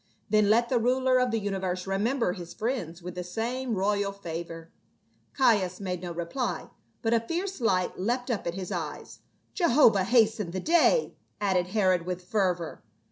Then let the ruler of the universe remember his friends with the same royal favor." Caius made no reply, but a fierce light leapt up in his eyes. "Jehovah hasten the day!" added Herod with fervor.